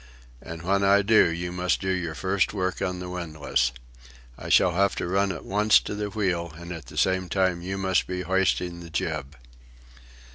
"And when I do, you must do your first work on the windlass. I shall have to run at once to the wheel, and at the same time you must be hoisting the jib."